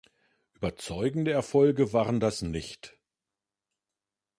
Überzeugende Erfolge waren das nicht.